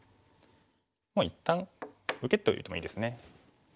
もう一旦受けておいてもいいですね。